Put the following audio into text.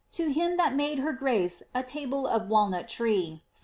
to him that made her grace a table of walnut tree, 41$.